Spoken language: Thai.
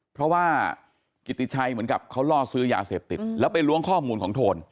เพราะว่ากิติชัยเหมือนกับเขาล่อซื้อยาเสพติดแล้วไปล้วงข้อมูลของโทน